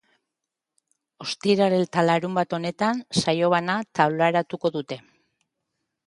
Ostiral eta larunbat honetan saio bana taularatuko dute.